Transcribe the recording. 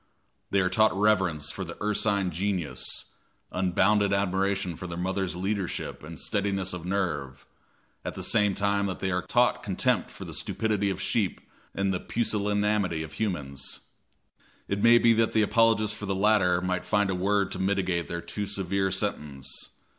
They are taught reverence for the ursine genius, unbounded admiration for their mother's leadership and steadiness of nerve, at the same time that they are taught contempt for the stupidity of sheep and the pusillanimity of humans. It may be that an apologist for the latter might find a word to mitigate their too severe sentence.